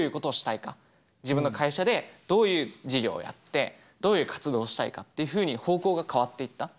自分の会社でどういう事業をやってどういう活動をしたいかっていうふうに方向が変わっていった。